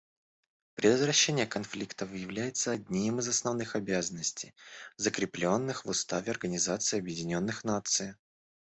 Предотвращение конфликтов является одним из основных обязанностей, закрепленных в Уставе Организации Объединенных Наций.